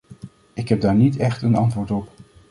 Ik heb daar niet echt een antwoord op.